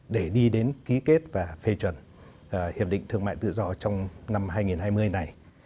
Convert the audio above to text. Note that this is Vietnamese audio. để đi đến ký kết và phê chuẩn hiệp định thương mại tự do trong năm hai nghìn hai mươi này